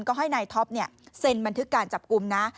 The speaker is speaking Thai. ก็ให้นายท็อปเซ็นบันทึกการจับกลุ่มนะ